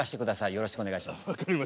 よろしくお願いします。